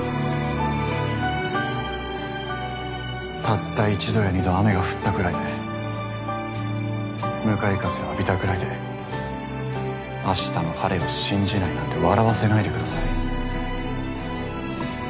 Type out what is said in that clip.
たった１度や２度雨が降ったくらいで向かい風を浴びたぐらいで明日の晴れを信じないなんて笑わせないでください。